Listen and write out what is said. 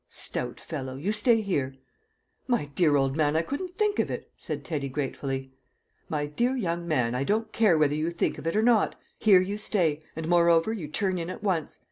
"Stout fellow! You stay here." "My dear old man, I couldn't think of it," said Teddy gratefully. "My dear young man, I don't care whether you think of it or not. Here you stay, and moreover you turn in at once.